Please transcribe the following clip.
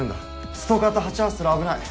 ストーカーと鉢合わせたら危ない。